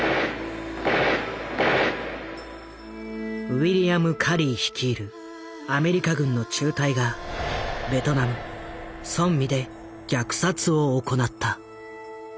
ウィリアム・カリー率いるアメリカ軍の中隊がベトナムソンミで虐殺を行った。